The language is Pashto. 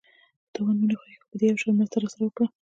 _تاوان مې نه خوښيږي، خو په يوه شرط، مرسته راسره وکړه!